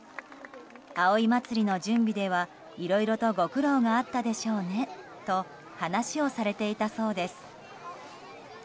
葵祭の準備では、いろいろとご苦労があったでしょうねと話をされていたそうです。